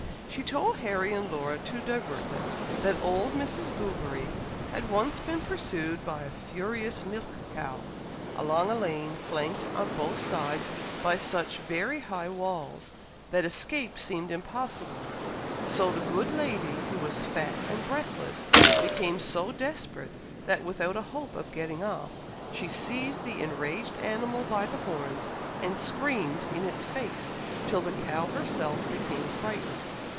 She told Harry and Laura, to divert them, that old Mrs. Bouverie had once been pursued by a furious milch cow, along a lane, flanked on both sides by such very high walls, that escape seemed impossible, so the good lady, who was fat and breathless, became so desperate, that without a hope of getting off, she seized the enraged animal by the horns, and screamed in its face, till the cow herself became frightened.